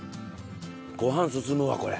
ご飯進むわこれ。